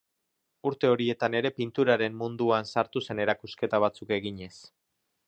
Urte horietan ere pinturaren munduan sartu zen erakusketa batzuk eginez.